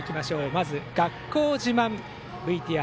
まず学校自慢ＶＴＲ。